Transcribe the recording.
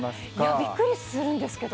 びっくりするんですけど。